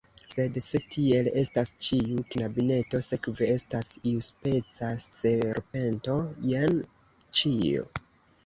"Sed, se tiel estas, ĉiu knabineto sekve estas iuspeca serpento. Jen ĉio!"